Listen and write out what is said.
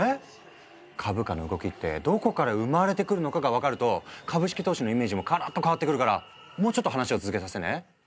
株価の動きってどこから生まれてくるのかが分かると株式投資のイメージもガラッと変わってくるからもうちょっと話を続けさせてね。